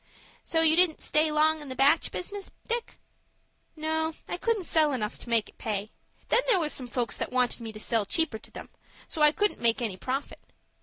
"So you didn't stay long in the match business, Dick?" "No, I couldn't sell enough to make it pay. Then there was some folks that wanted me to sell cheaper to them; so I couldn't make any profit.